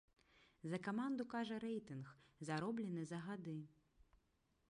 За каманду кажа рэйтынг, зароблены за гады.